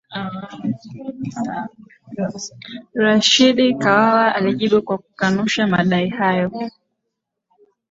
rashidi kawawa alijibu kwa kukanusha madai hayo